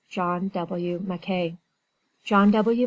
JOHN W. MACKAY. John W.